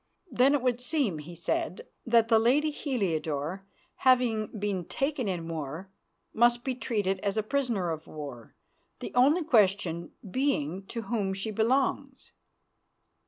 "Then it would seem," he said, "that the lady Heliodore, having been taken in war, must be treated as a prisoner of war, the only question being to whom she belongs."